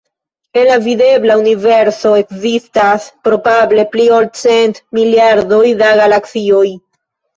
En la videbla universo ekzistas probable pli ol cent miliardoj da galaksioj.